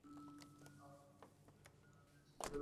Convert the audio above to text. আর আমি করেছি তাদের বাঁচানোর জন্য।